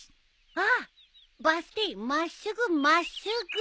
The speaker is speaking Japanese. ああバス停真っすぐ真っすぐ。